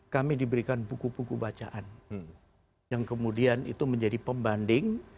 kami diberikan buku buku bacaan yang kemudian itu menjadi pembanding